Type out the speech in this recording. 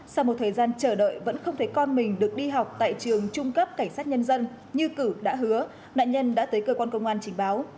sau một thời gian chờ đợi vẫn không thấy con mình được đi học tại trường trung cấp cảnh sát nhân dân như cửu đã hứa nạn nhân đã tới cơ quan công an trình báo